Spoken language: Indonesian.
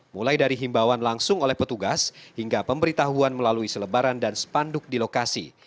mulai dari himbawan langsung oleh petugas hingga pemberitahuan melalui selebaran dan spanduk di lokasi